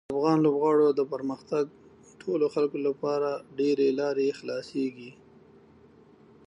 د افغان لوبغاړو د پرمختګ د ټولو خلکو لپاره ډېرې لارې خلاصیږي.